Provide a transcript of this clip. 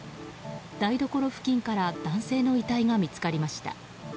台所付近から男性の遺体が見つかりました。